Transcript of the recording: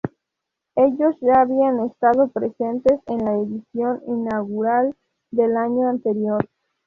Ellos ya habían estado presentes en la edición inaugural del año anterior.